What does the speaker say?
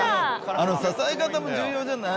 あの支え方も重要じゃない？